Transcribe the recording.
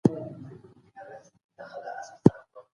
ایمان موږ ته د سخاوت او له نورو سره د مرستې درس راکوي.